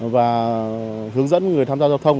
và hướng dẫn người tham gia giao thông